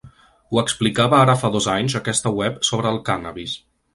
Ho explicava ara fa dos anys aquesta web sobre el cànnabis.